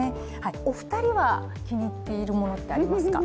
お二人は、気に入っているものってありますか？